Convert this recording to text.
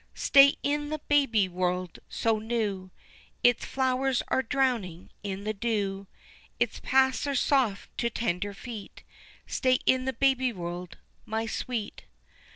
Stay in the baby world so new, Its flowers are drowning in the dew, Its paths are soft to tender feet, Stay in the baby world my sweet!